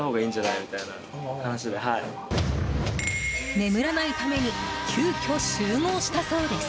眠らないために急きょ集合したそうです。